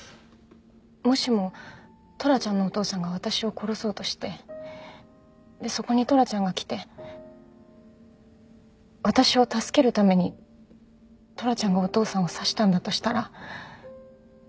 もしもトラちゃんのお父さんが私を殺そうとしてでそこにトラちゃんが来て私を助けるためにトラちゃんがお父さんを刺したんだとしたら。